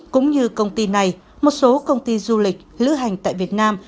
cũng như công ty này một số công ty du lịch lữ hành tại việt nam